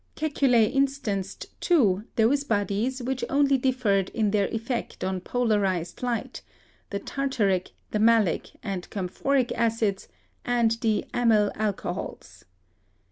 Kekule instanced, too, those bodies which only differed in their effect on polarized light, the tartaric, the malic and camphoric acids, and the amyl alcohols.